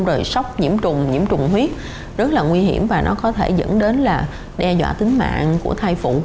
rồi sốc nhiễm trùng nhiễm trùng huyết rất là nguy hiểm và nó có thể dẫn đến là đe dọa tính mạng của thai phụ